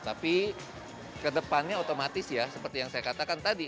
tapi kedepannya otomatis ya seperti yang saya katakan tadi